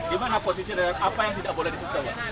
gimana posisi apa yang tidak boleh disitu